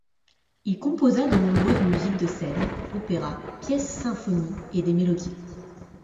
Il composa de nombreuses musiques de scènes, opéras, pièces symphonies et des mélodies.